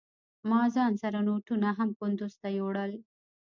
ما ځان سره نوټونه هم کندوز ته يوړل.